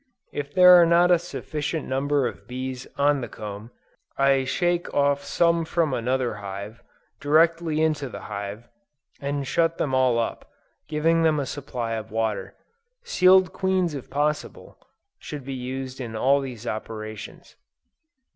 If there are not a sufficient number of bees on the comb, I shake off some from another frame, directly into the hive, and shut them all up, giving them a supply of water. Sealed queens if possible, should be used in all these operations.